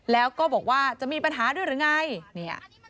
แล้วก็บอกว่าจะมีปัญหาด้วยหรือไงเนี่ย